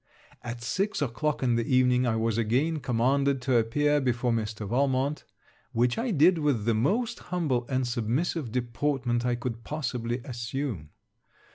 At six o'clock in the evening, I was again commanded to appear before Mr. Valmont, which I did with the most humble and submissive deportment I could possibly assume.